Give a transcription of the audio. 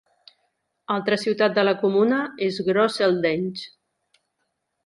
Altra ciutat de la comuna és Gosseldange.